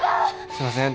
すいません。